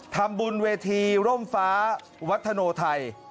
ทำบุญเวทีร่มฟ้าวัฒโนไทย